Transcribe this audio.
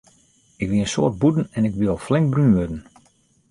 Ik wie in soad bûten en ik wie al flink brún wurden.